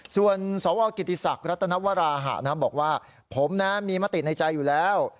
ส่วนสาวอร์กิติศักดิ์รัฐนวราหะนะครับบอกว่าผมนะมีมติในใจอยู่แล้ว